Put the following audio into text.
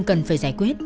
cần phải giải quyết